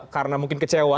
karena mungkin kecewa